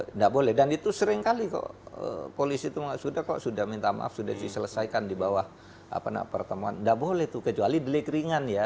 tidak boleh dan itu seringkali kok polisi itu sudah kok sudah minta maaf sudah diselesaikan di bawah pertemuan tidak boleh tuh kecuali delik ringan ya